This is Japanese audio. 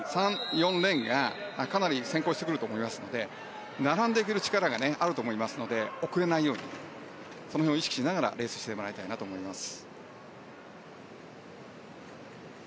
３、４レーンがかなり先行してくると思いますので並んでいける力はあると思うので遅れないようにそれを意識しながらレースをしてもらいたいなと思います。